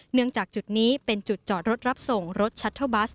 จากจุดนี้เป็นจุดจอดรถรับส่งรถชัตเทอร์บัส